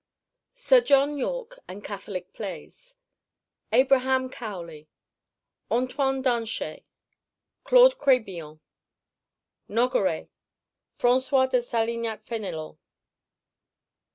Sir John Yorke and Catholic Plays Abraham Cowley Antoine Danchet Claude Crébillon Nogaret François de Salignac Fénélon.